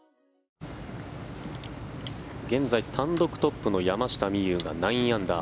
現在、単独トップの山下美夢有が９アンダー。